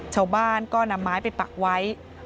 ชาวบ้านก็นำไม้ไปปักไว้